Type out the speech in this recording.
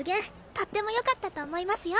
とっても良かったと思いますよ。